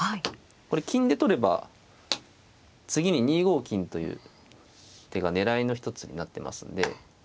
これ金で取れば次に２五金という手が狙いの一つになってますんで。